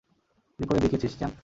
তুই করে দেখিয়েছিস, চ্যাম্প।